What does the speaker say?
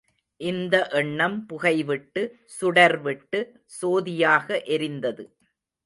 இந்த எண்ணம் புகைவிட்டு, சுடர்விட்டு, சோதியாக எரிந்தது.